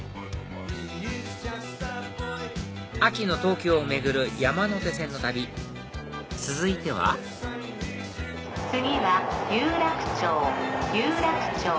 秋の東京を巡る山手線の旅続いては次は有楽町有楽町。